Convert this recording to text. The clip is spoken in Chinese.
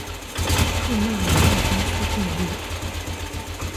透纳娱乐公司建立。